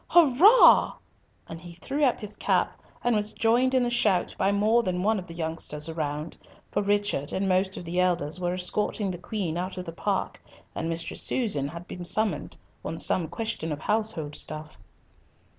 Hurrah!" and he threw up his cap, and was joined in the shout by more than one of the youngsters around, for Richard and most of the elders were escorting the Queen out of the park, and Mistress Susan had been summoned on some question of household stuff.